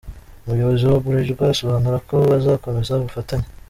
Umuyobozi wa Bralirwa asobanura ko bazakomeza ubufatanye.